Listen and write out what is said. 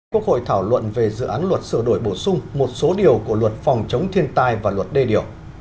quốc hội thảo luận về dự án luật sửa đổi bổ sung một số điều của luật phòng chống thiên tai và luật đê điều